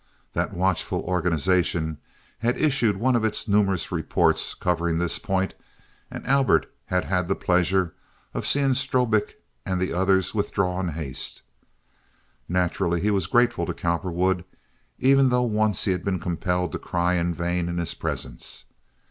That watchful organization had issued one of its numerous reports covering this point, and Albert had had the pleasure of seeing Strobik and the others withdraw in haste. Naturally he was grateful to Cowperwood, even though once he had been compelled to cry in vain in his presence.